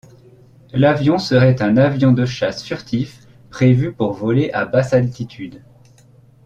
L'avion serait un avion de chasse furtif prévu pour voler à basse altitude.